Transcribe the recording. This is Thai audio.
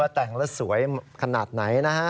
แต่งแล้วสวยขนาดไหนนะฮะ